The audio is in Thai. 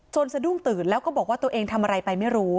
สะดุ้งตื่นแล้วก็บอกว่าตัวเองทำอะไรไปไม่รู้